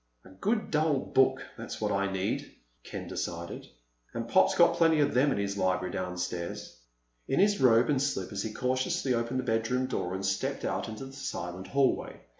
"A good dull book—that's what I need," Ken decided. "And Pop's got plenty of them in his library downstairs." In his robe and slippers he cautiously opened the bedroom door and stepped out into the silent hallway.